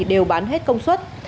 đều bán hết công suất